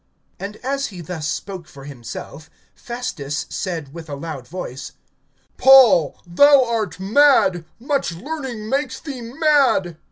(24)And as he thus spoke for himself, Festus said with a loud voice: Paul, thou art mad; much learning makes thee mad.